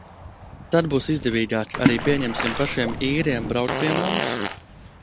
Tad būs izdevīgāk arī, pieņemsim, pašiem īriem braukt pie mums.